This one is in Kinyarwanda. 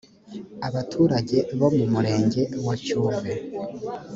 abaturage bo mu murenge wa cyuve